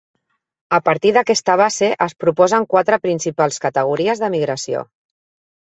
A partir d'aquesta base es proposen quatre principals categories de migració.